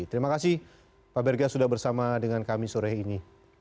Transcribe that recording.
terima kasih pak bergas sudah bersama dengan kami sore ini